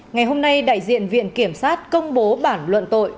ngày hôm nay đại diện viện kiểm sát công bố bản luận tội